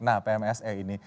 nah pmse ini